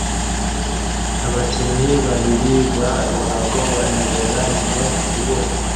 Abakinnyi babiri ba ruhago banyerera mu rubura